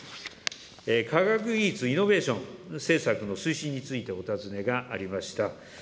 科学技術イノベーション政策の推進についてお尋ねがありました。